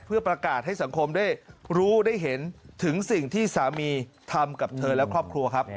เพื่อประกาศให้สังคมได้รู้ได้เห็นถึงสิ่งที่สามีทำกับเธอและครอบครัวครับ